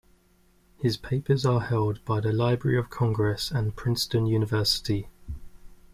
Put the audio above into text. His papers are held by the Library of Congress and Princeton University.